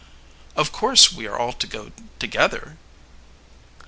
"Of course we are all to go together?"